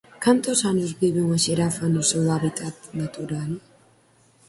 Cantos anos vive unha xirafa no seu hábitat natural?